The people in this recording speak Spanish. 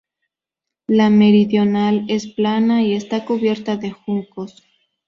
La meridional es plana y está cubierta de juncos.